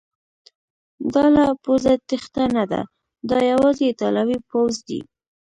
دا له پوځه تیښته نه ده، دا یوازې ایټالوي پوځ دی.